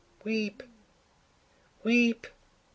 'weep! weep!